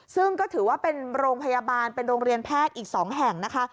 ซึ่งก็ถือว่าเป็นโรงพยาบาลเป็นโรงเรียนแพทย์อีก๒แห่งนะคะ